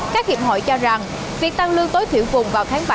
các hiệp hội cho rằng việc tăng lương tối thiểu vùng vào tháng ba